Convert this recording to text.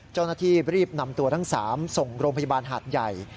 เจ้าหน้าที่รีบนำตัวทั้ง๓ส่งโรงพยาบาลหาดใหญ่